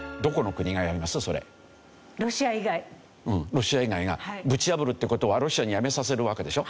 ロシア以外がぶち破るって事はロシアにやめさせるわけでしょ？